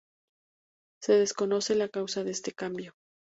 Se desconoce la causa de este cambio.